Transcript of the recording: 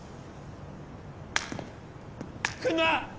来んな！